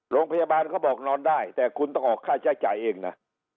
โรงพยาบาลเขาบอกนอนได้แต่คุณต้องออกค่าใช้จ่ายเองนะ